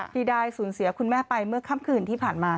ที่ได้สูญเสียคุณแม่ไปเมื่อค่ำคืนที่ผ่านมา